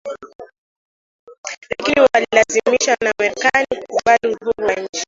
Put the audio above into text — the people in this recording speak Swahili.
lakini walilazimishwa na Marekani kukubali uhuru wa nchi